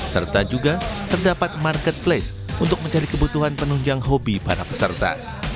serta juga terdapat marketplace untuk mencari kebutuhan penunjang hobi para peserta